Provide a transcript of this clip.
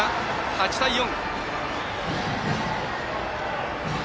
８対４。